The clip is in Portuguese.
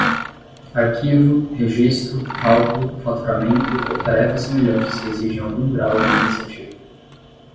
Arquivo, registro, cálculo, faturamento ou tarefas semelhantes que exigem algum grau de iniciativa.